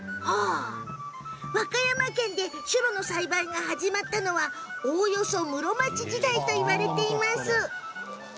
和歌山県でシュロの植栽が始まったのはおおよそ室町時代と言われています。